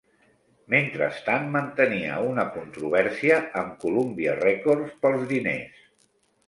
Mentrestant, mantenia una controvèrsia amb Columbia Records pels diners.